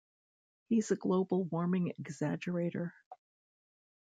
He's a global warming exaggerator.